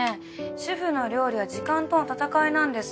主婦の料理は時間との戦いなんです。